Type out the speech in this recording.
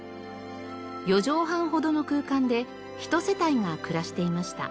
４畳半ほどの空間で一世帯が暮らしていました。